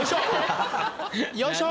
よいしょ！